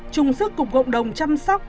chung sức cùng cộng đồng chăm sóc